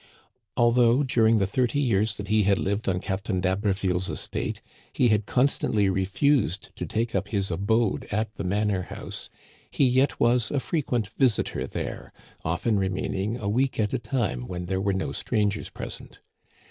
Although, during the thirty years that he had lived on Captain d'Haberville's estate, he had constantly refused to take up his abode at the manor house, he yet was a frequent visitor there, often remaining a week at a time when there were no strangers present.